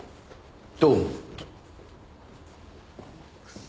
どうも。